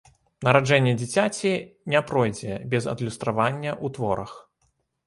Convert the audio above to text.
Нараджэнне дзіцяці не пройдзе без адлюстравання ў творах.